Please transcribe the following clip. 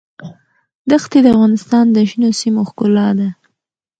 دښتې د افغانستان د شنو سیمو ښکلا ده.